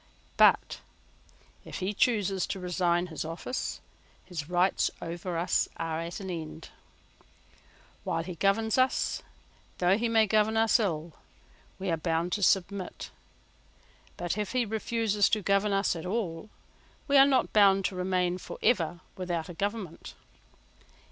But, if he chooses to resign his office, his rights over us are at an end. While he governs us, though he may govern us ill, we are bound to submit: but, if he refuses to govern us at all, we are not bound to remain for ever without a government.